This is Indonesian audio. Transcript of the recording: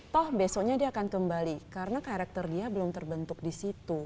toh besoknya dia akan kembali karena karakter dia belum terbentuk di situ